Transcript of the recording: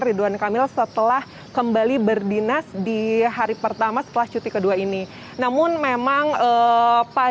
ya farhanisa memang untuk sampai saat ini kami belum mendapatkan informasi mengenai pekerjaan utama apa yang akan diselesaikan